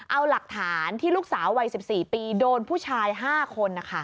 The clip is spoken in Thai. เอาหลักฐานที่ลูกสาววัย๑๔ปีโดนผู้ชาย๕คน